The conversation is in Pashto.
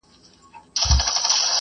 له ښځي سره وو